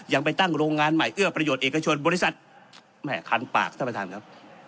ยังไปตั้งโรงงานใหม่เอื้อประโยชน์เอกชนบริษัทแม่คันปากท่านประธานครับ